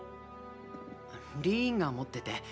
リーンが持ってて。